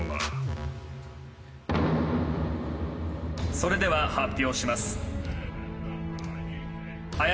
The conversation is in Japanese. それでは発表します。